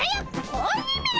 子鬼めら！